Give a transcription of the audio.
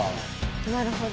なるほど。